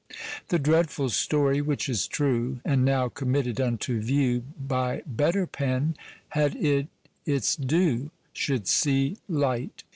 The dreadfull story, which is true, And now committed unto view, By better pen, had it its due, Should see light.